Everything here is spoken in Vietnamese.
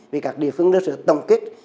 vì các địa phương đất nước tổng kết